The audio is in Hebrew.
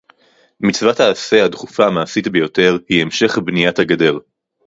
מצוות העשה הדחופה המעשית ביותר היא המשך בניית הגדר